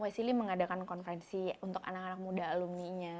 wesley mengadakan konferensi untuk anak anak muda alumni nya